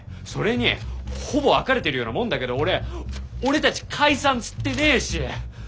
それにほぼ別れてるようなもんだけど俺俺たち解散っつってねぇし！